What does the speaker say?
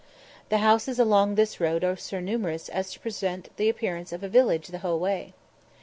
The houses along this road are so numerous as to present the appearance of a village the whole way.